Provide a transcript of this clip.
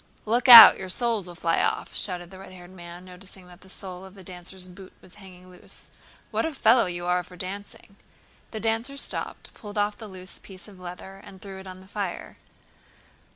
"Look out, your soles will fly off!" shouted the red haired man, noticing that the sole of the dancer's boot was hanging loose. "What a fellow you are for dancing!" The dancer stopped, pulled off the loose piece of leather, and threw it on the fire.